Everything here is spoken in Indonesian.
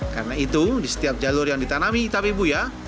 karena itu di setiap jalur yang ditanami tapi buia